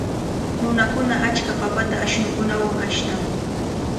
Nunakuna achka papata ashnukunawan ashtan.